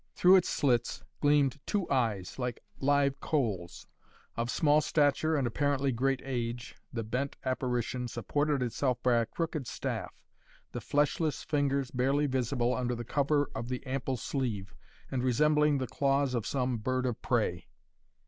Through its slits gleamed two eyes, like live coals. Of small stature and apparently great age, the bent apparition supported itself by a crooked staff, the fleshless fingers barely visible under the cover of the ample sleeve, and resembling the claws of some bird of prey.